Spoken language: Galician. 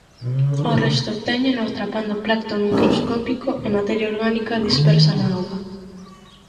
O resto obtéñeno atrapando plancto microscópico e materia orgánica dispersa na auga.